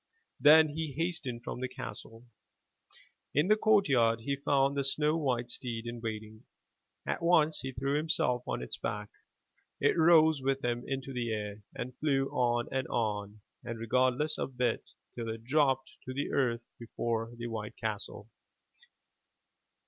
Then he hastened from the castle. In the courtyard he found the snow white steed in waiting. At once he threw himself on its back, it rose with him into the air, and flew on and on, regardless of bit, till it dropped to earth before the white castle.